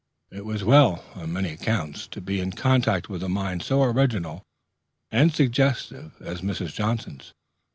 It was well, on many accounts, to be in contact with a mind so original and suggestive as Mrs. Johnson's.